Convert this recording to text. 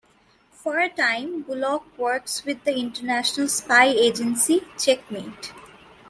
For a time Bullock works with the international spy agency Checkmate.